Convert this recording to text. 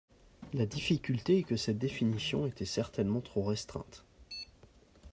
La difficulté est que cette définition était certainement trop restreinte.